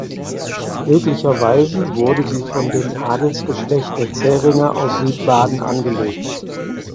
Möglicherweise wurde sie von dem Adelsgeschlecht der Zähringer aus Südbaden angelegt.